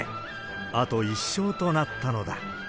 あと１勝となったのだ。